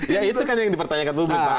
ya itu kan yang dipertanyakan sebelumnya